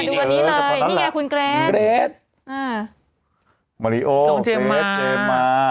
เล่าหน่อยคุณแกลร์ตอ่ามาริโอเจ็มมาค่ะ